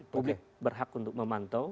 publik berhak untuk memantau